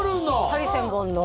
ハリセンボンの？